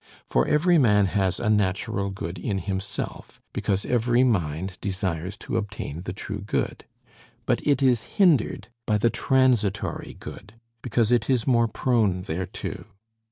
For every man has a natural good in himself, because every mind desires to obtain the true good; but it is hindered by the transitory good, because it is more prone thereto.